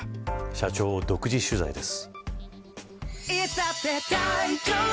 社長を独自取材です。